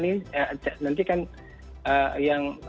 nanti kan yang